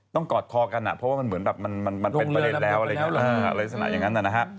ต้องกอดคอกันนะเพราะว่ามันเหมือนแบบมันเป็นประเด็นแล้วอะไรอย่างนั้นนะฮะ